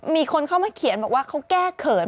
มีคนเข้ามาเขียนบอกว่าเขาแก้เขิน